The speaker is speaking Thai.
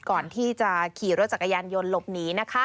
ก่อนที่จะขี่รถจักรยานยนต์หลบหนี